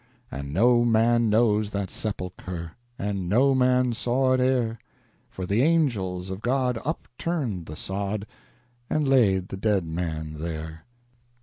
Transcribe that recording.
And no man knows that sepulcher, And no man saw it e'er, For the angels of God upturned the sod, And laid the dead man there.